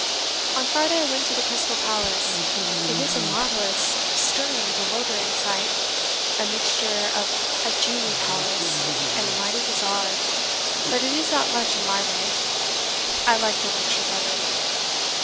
On Friday, I went to the Crystal Palace; it is a marvellous, stirring, bewildering sight a mixture of a genii palace, and a mighty bazaar, but it is not much in my way; I liked the lecture better.